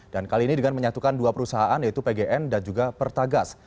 dan kali ini dengan menyatukan dua perusahaan yaitu pgn dan juga pertagas